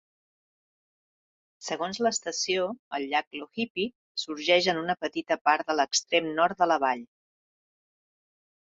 Segons l'estació, el llac Logipi sorgeix en una petita part de l'extrem nord de la vall.